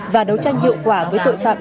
và đấu tranh hiệu quả với tội phạm